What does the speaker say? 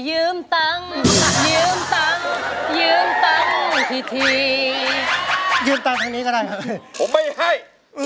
ผมไม่ให้